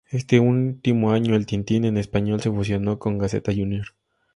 Este último año, el "Tintín" en español se fusionó con "Gaceta Junior".